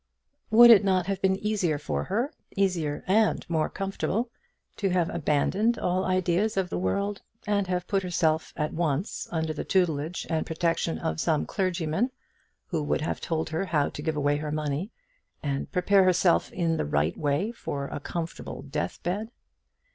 Would it not have been easier for her easier and more comfortable to have abandoned all ideas of the world, and have put herself at once under the tutelage and protection of some clergyman who would have told her how to give away her money, and prepare herself in the right way for a comfortable death bed?